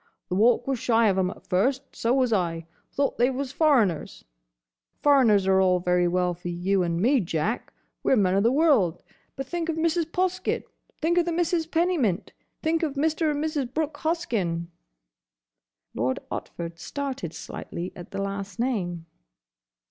"The Walk was shy of 'em at first. So was I. Thought they was foreigners. Foreigners are all very well for you and me, Jack. We 're men o' the world. But think of Mrs. Poskett! Think of the Misses Pennymint! Think of Mr. and Mrs. Brooke Hoskyn!" Lord Otford started slightly at the last name.